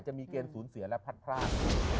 มันจะมีเกณฑ์สูญเสียและพลาด